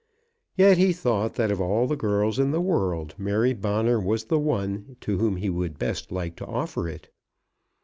Yet he thought that of all the girls in the world Mary Bonner was the one to whom he would best like to offer it.